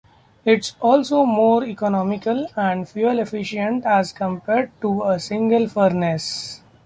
It's also more economical and fuel efficient as compared to a single furnace.